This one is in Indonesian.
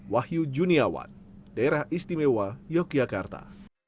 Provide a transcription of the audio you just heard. wahyu juniawan daerah istimewa yogyakarta